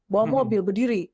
bawa mobil berdiri